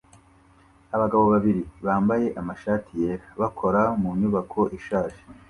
Abagabo babiri bambaye amashati yera bakora mu nyubako ishaje